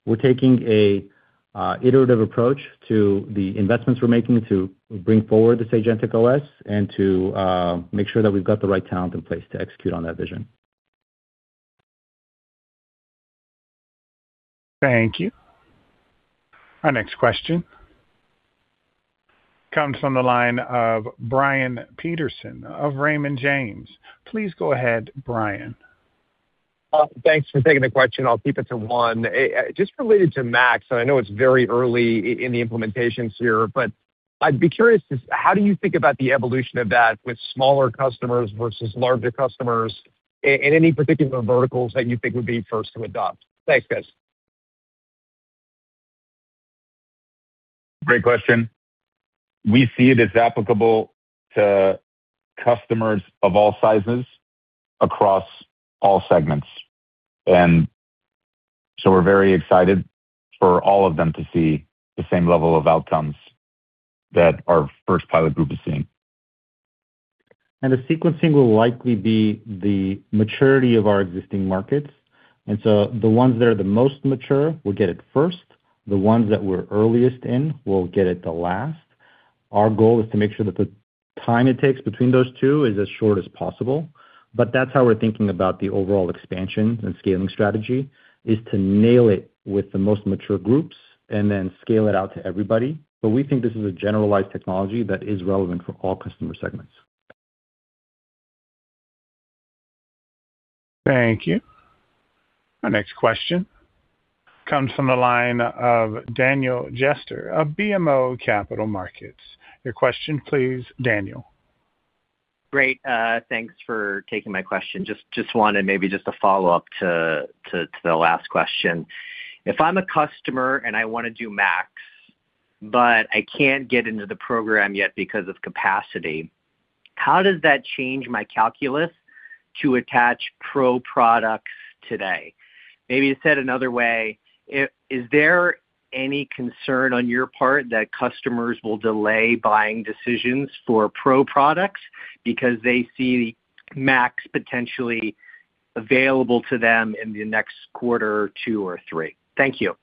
We're taking an iterative approach to the investments we're making to bring forward this agentic OS and to make sure that we've got the right talent in place to execute on that vision. Thank you. Our next question comes from the line of Brian Peterson of Raymond James. Please go ahead, Brian. Thanks for taking the question. I'll keep it to one. Just related to Max, and I know it's very early in the implementation here, but I'd be curious as to how do you think about the evolution of that with smaller customers versus larger customers and any particular verticals that you think would be first to adopt? Thanks, guys. Great question. We see it as applicable to customers of all sizes across all segments. We're very excited for all of them to see the same level of outcomes that our first pilot group is seeing. The sequencing will likely be the maturity of our existing markets. The ones that are the most mature will get it first, the ones that we're earliest in will get it the last. Our goal is to make sure that the time it takes between those two is as short as possible. That's how we're thinking about the overall expansion and scaling strategy, is to nail it with the most mature groups and then scale it out to everybody. We think this is a generalized technology that is relevant for all customer segments. Thank you. Our next question comes from the line of Daniel Jester of BMO Capital Markets. Your question please, Daniel. Great. Thanks for taking my question. Just wanted maybe a follow-up to the last question. If I'm a customer and I want to do Max, but I can't get into the program yet because of capacity, how does that change my calculus to attach Pro products today? Maybe said another way, is there any concern on your part that customers will delay buying decisions for Pro products because they see Max potentially available to them in the next quarter or two or three? Thank you.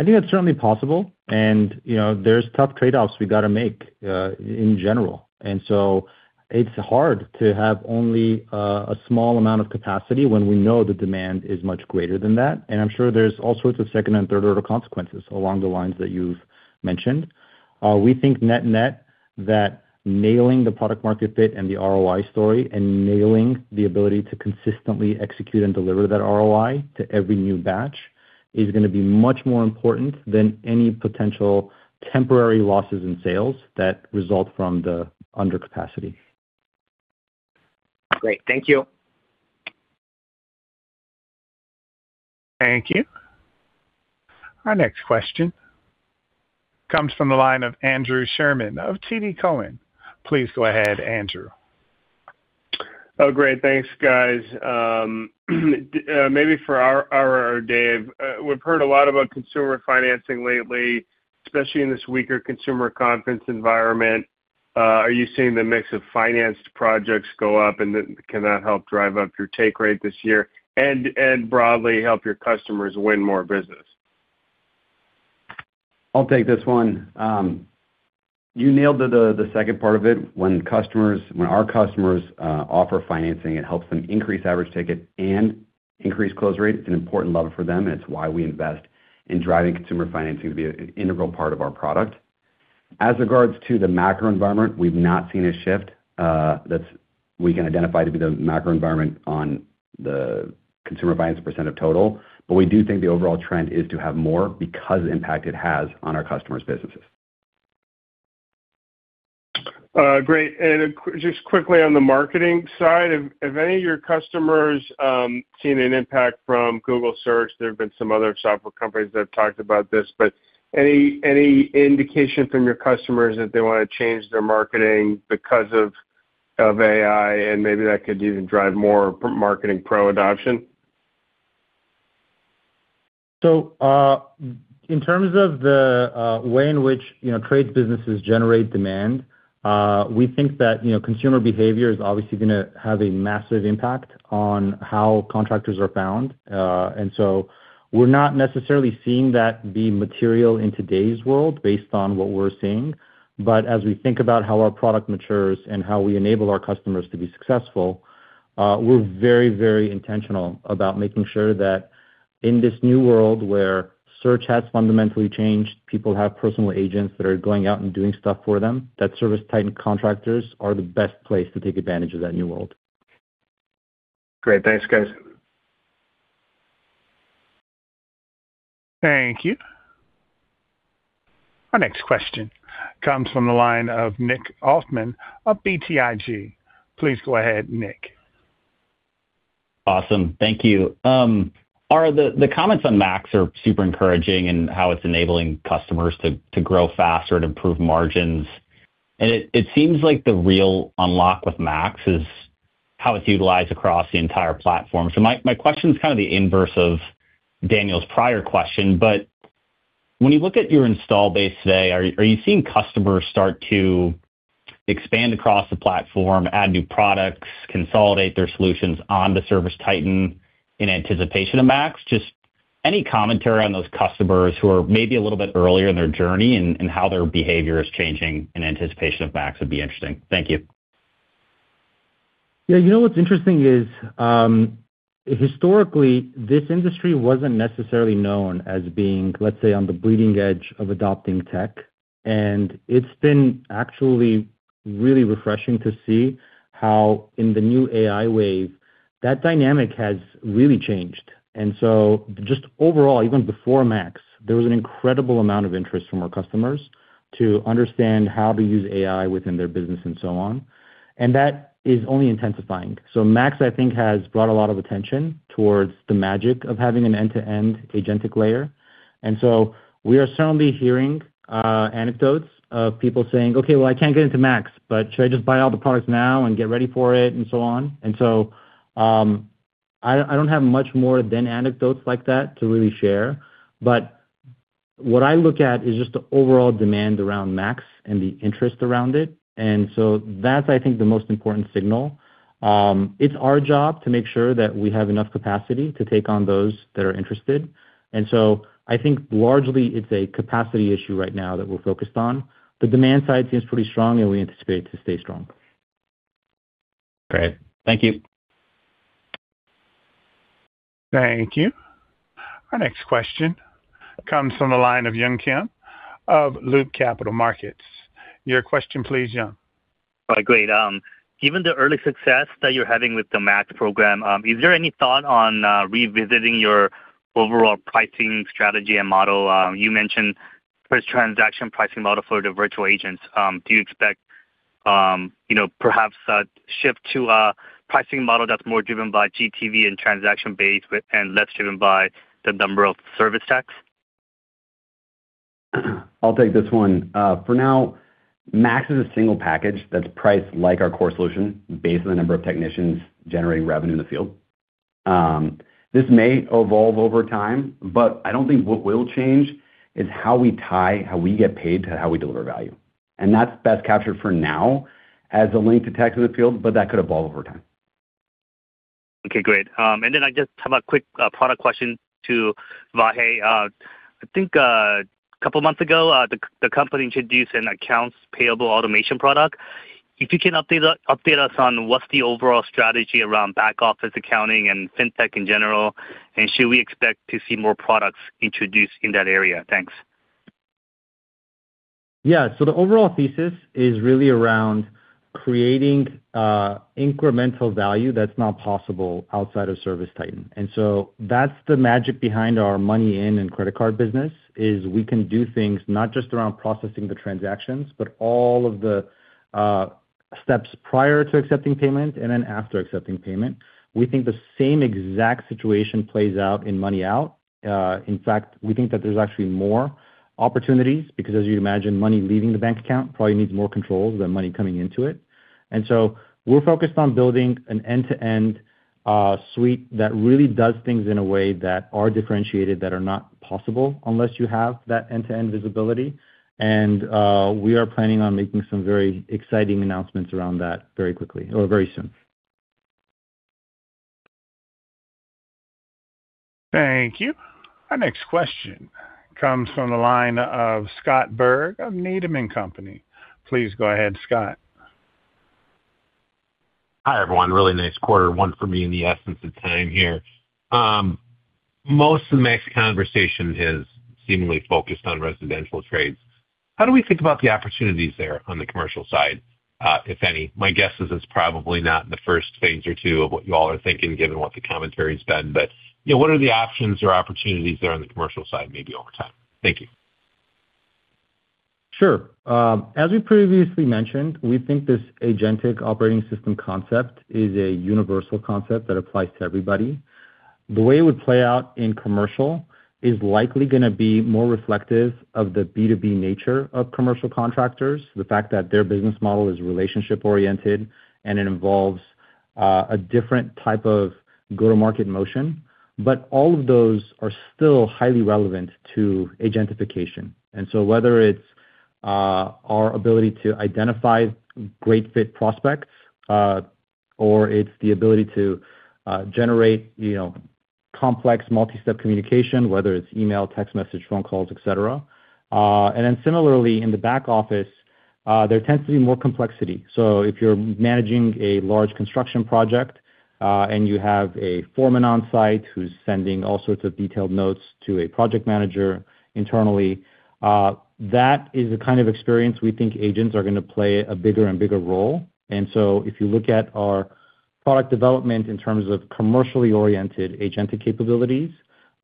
I think that's certainly possible and, you know, there's tough trade-offs we gotta make in general. It's hard to have only a small amount of capacity when we know the demand is much greater than that. I'm sure there's all sorts of second and third order consequences along the lines that you've mentioned. We think net-net, that nailing the product market fit and the ROI story and nailing the ability to consistently execute and deliver that ROI to every new batch is going to be much more important than any potential temporary losses in sales that result from the under capacity. Great. Thank you. Thank you. Our next question comes from the line of Andrew Sherman of TD Cowen. Please go ahead, Andrew. Oh, great. Thanks, guys. Maybe for Ara or Dave. We've heard a lot about consumer financing lately, especially in this weaker consumer confidence environment. Are you seeing the mix of financed projects go up? Then can that help drive up your take rate this year and broadly help your customers win more business? I'll take this one. You nailed the second part of it. When our customers offer financing, it helps them increase average ticket and increase close rate. It's an important lever for them, and it's why we invest in driving consumer financing to be an integral part of our product. As regards to the macro environment, we've not seen a shift that we can identify to be the macro environment on the consumer finance percent of total. We do think the overall trend is to have more because the impact it has on our customers' businesses. Just quickly on the marketing side, have any of your customers seen an impact from Google Search? There have been some other software companies that have talked about this, but any indication from your customers that they want to change their marketing because of AI, and maybe that could even drive more Marketing Pro adoption? In terms of the way in which, you know, trades businesses generate demand, we think that, you know, consumer behavior is obviously going to have a massive impact on how contractors are found. We're not necessarily seeing that be material in today's world based on what we're seeing. As we think about how our product matures and how we enable our customers to be successful, we're very, very intentional about making sure that in this new world where search has fundamentally changed, people have personal agents that are going out and doing stuff for them, that ServiceTitan contractors are the best place to take advantage of that new world. Great. Thanks, guys. Thank you. Our next question comes from the line of Nick Altmann of BTIG. Please go ahead, Nick. Awesome. Thank you. Ara, the comments on Max are super encouraging and how it's enabling customers to grow faster and improve margins. It seems like the real unlock with Max is how it's utilized across the entire platform. My question is kind of the inverse of Daniel's prior question, but when you look at your install base today, are you seeing customers start to expand across the platform, add new products, consolidate their solutions on the ServiceTitan in anticipation of Max? Just any commentary on those customers who are maybe a little bit earlier in their journey and how their behavior is changing in anticipation of Max would be interesting. Thank you. Yeah. You know what's interesting is, historically, this industry wasn't necessarily known as being, let's say, on the bleeding edge of adopting tech, and it's been actually really refreshing to see how in the new AI wave, that dynamic has really changed. Just overall, even before Max, there was an incredible amount of interest from our customers to understand how to use AI within their business and so on. That is only intensifying. Max, I think, has brought a lot of attention towards the magic of having an end-to-end agentic layer. We are certainly hearing anecdotes of people saying, "Okay, well, I can't get into Max, but should I just buy all the products now and get ready for it," and so on. I don't have much more than anecdotes like that to really share, but what I look at is just the overall demand around Max and the interest around it. That's, I think, the most important signal. It's our job to make sure that we have enough capacity to take on those that are interested. I think largely it's a capacity issue right now that we're focused on. The demand side seems pretty strong, and we anticipate it to stay strong. Great. Thank you. Thank you. Our next question comes from the line of Yun Kim of Loop Capital Markets. Your question please, Yun. Great. Given the early success that you're having with the Max Program, is there any thought on revisiting your overall pricing strategy and model? You mentioned per transaction pricing model for the virtual agents. Do you expect perhaps a shift to a pricing model that's more driven by GTV and transaction-based with less driven by the number of service techs? I'll take this one. For now, Max is a single package that's priced like our core solution based on the number of technicians generating revenue in the field. This may evolve over time, but I don't think what will change is how we tie how we get paid to how we deliver value. That's best captured for now as a link to techs in the field, but that could evolve over time. Okay, great. I just have a quick product question to Vahe. I think a couple of months ago, the company introduced an accounts payable automation product. If you can update us on what's the overall strategy around back-office accounting and fintech in general, and should we expect to see more products introduced in that area? Thanks. Yeah. The overall thesis is really around creating incremental value that's not possible outside of ServiceTitan. That's the magic behind our money in and credit card business. We can do things not just around processing the transactions, but all of the steps prior to accepting payment and then after accepting payment. We think the same exact situation plays out in money out. In fact, we think that there's actually more opportunities because as you'd imagine, money leaving the bank account probably needs more controls than money coming into it. We're focused on building an end-to-end suite that really does things in a way that are differentiated, that are not possible unless you have that end-to-end visibility. We are planning on making some very exciting announcements around that very quickly or very soon. Thank you. Our next question comes from the line of Scott Berg of Needham & Company. Please go ahead, Scott. Hi, everyone. Really nice quarter, one for me in the essence of time here. Most of the Max conversation is seemingly focused on residential trades. How do we think about the opportunities there on the commercial side, if any? My guess is it's probably not in the first phase or two of what you all are thinking, given what the commentary has been. You know, what are the options or opportunities there on the commercial side, maybe over time? Thank you. Sure. As we previously mentioned, we think this agentic operating system concept is a universal concept that applies to everybody. The way it would play out in commercial is likely going to be more reflective of the B2B nature of commercial contractors, the fact that their business model is relationship oriented and it involves a different type of go-to-market motion. All of those are still highly relevant to agentification. Whether it's our ability to identify great fit prospects, or it's the ability to generate, you know, complex multi-step communication, whether it's email, text message, phone calls, etc. And then similarly, in the back office, there tends to be more complexity. If you're managing a large construction project, and you have a foreman on site who's sending all sorts of detailed notes to a project manager internally, that is the kind of experience we think agents are going to play a bigger and bigger role. If you look at our product development in terms of commercially oriented agentic capabilities,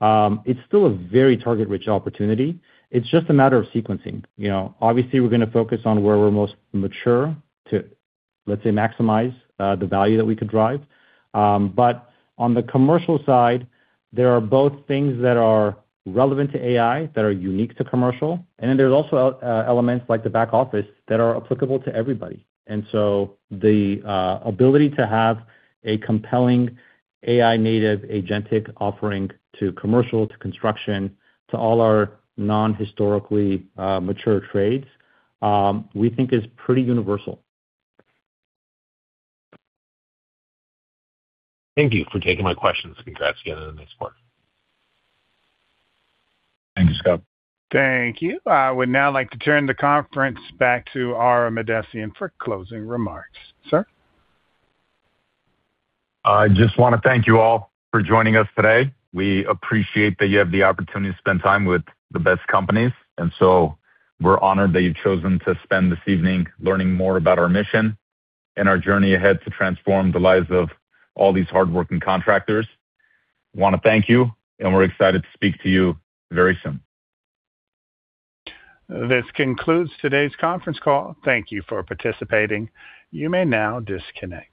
it's still a very target-rich opportunity. It's just a matter of sequencing. You know, obviously, we're going to focus on where we're most mature to, let's say, maximize the value that we could drive. On the commercial side, there are both things that are relevant to AI that are unique to commercial, and then there's also elements like the back office that are applicable to everybody. The ability to have a compelling AI native agentic offering to commercial, to construction, to all our non-historically mature trades, we think is pretty universal. Thank you for taking my questions. Congrats again on a nice quarter. Thank you, Scott. Thank you. I would now like to turn the conference back to Ara Mahdessian for closing remarks. Sir? I just want to thank you all for joining us today. We appreciate that you have the opportunity to spend time with the best companies, and so we're honored that you've chosen to spend this evening learning more about our mission and our journey ahead to transform the lives of all these hardworking contractors. want to thank you, and we're excited to speak to you very soon. This concludes today's conference call. Thank you for participating. You may now disconnect.